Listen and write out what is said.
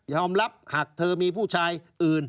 รับหากเธอมีผู้ชายอื่น